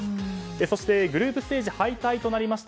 そして、グループステージ敗退となりました